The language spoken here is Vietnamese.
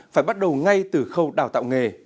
phải bắt đầu ngay từ khâu đào tạo nghề